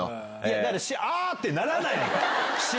だからあぁ！ってならないのよ。